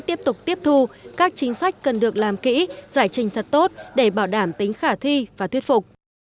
tiếp tục tiếp thu các chính sách cần được làm kỹ giải trình thật tốt để bảo đảm tính khả thi và thuyết phục